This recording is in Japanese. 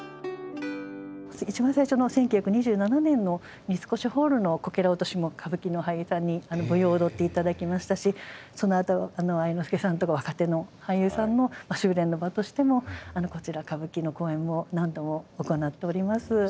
一番最初の１９２７年の三越ホールのこけら落としも歌舞伎の俳優さんに舞踊を踊って頂きましたしそのあと愛之助さんとか若手の俳優さんの修練の場としてもこちら歌舞伎の公演を何度も行っております